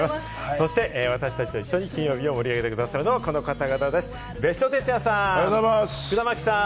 そして私達と一緒に金曜日を盛り上げてくださるのは、この方たちです。